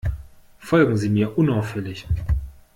Folgen Sie mir unauffällig.